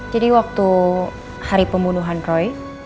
jadi waktu hari pembunuhan roy